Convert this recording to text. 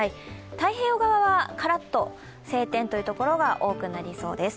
太平洋側はカラッと晴天のところが多くなりそうです。